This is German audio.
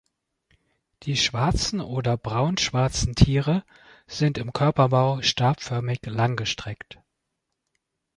Die schwarzen oder braun-schwarzen Tiere sind im Körperbau stabförmig langgestreckt.